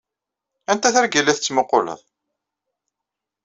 Anta targa ay la tettmuquleḍ?